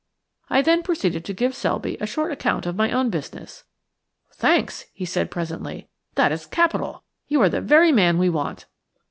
I then proceeded to give Selby a short account of my own business. "Thanks," he said presently, "that is capital. You are the very man we want."